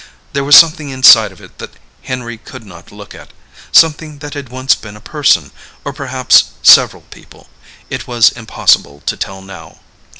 There was something inside of it that Henry could not look at, something that had once been a person, or perhaps several people, it was impossible to tell now.